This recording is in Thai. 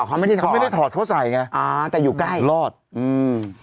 เขาไม่ได้ทำเขาไม่ได้ถอดเขาใส่ไงอ่าแต่อยู่ใกล้รอดอืม